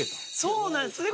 そうなんですよ。